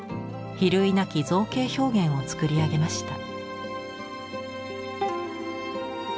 比類なき造形表現を作り上げました。